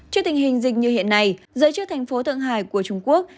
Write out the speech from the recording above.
trước tình hình dịch như hiện nay giới chức thành phố thượng hải của trung quốc